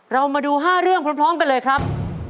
เรามาดู๕เรื่องพร้อมกันเลยครับ